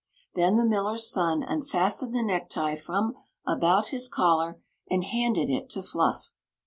Then the millers son unfastened the necktie from about his collar and handed it to Fluff.